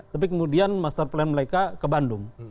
tapi kemudian master plan mereka ke bandung